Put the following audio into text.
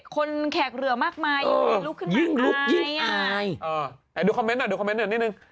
แขกเหลือมากมายยิ่งลุกยิ่งอายดูคอมเมนต์หน่อยดูคอมเนตหน่อยนิดนึง